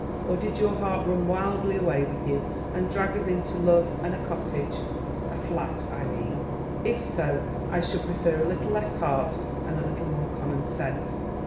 Or did your heart run wildly away with you, and drag us into love and a cottage—a flat, I mean? If so, I should prefer a little less heart and a little more common sense."